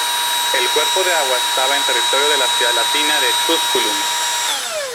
El cuerpo de agua estaba en territorio de la ciudad latina de Tusculum.